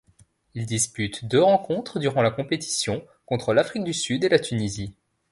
Il dispute deux rencontres durant la compétition, contre l'Afrique du Sud et la Tunisie.